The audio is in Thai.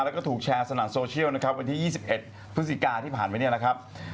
แล้วก็ถูกแชร์สนั่นโซเชียลนะครับวันที่๒๑พฤศจิกาที่ผ่านมาเนี่ยนะครับ